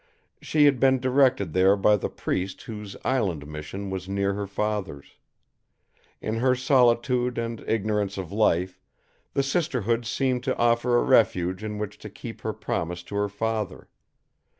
She had been directed there by the priest whose island mission was near her father's. In her solitude and ignorance of life, the sisterhood seemed to offer a refuge in which to keep her promise to her father.